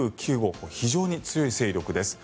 これ、非常に強い勢力です。